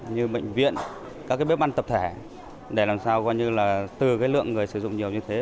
như bệnh viện các bếp ăn tập thể để làm sao từ lượng người sử dụng nhiều như thế